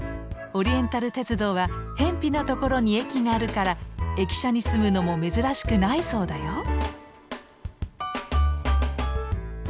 オリエンタル鉄道はへんぴな所に駅があるから駅舎に住むのも珍しくないそうだよ。